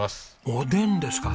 おでんですか。